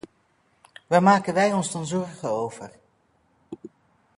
Waar maken wij ons dan zorgen over?